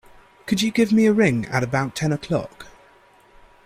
Could you give me a ring at about ten o'clock?